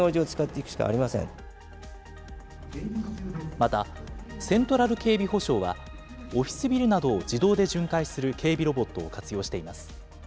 また、セントラル警備保障は、オフィスビルなどを自動で巡回する警備ロボットを活用しています。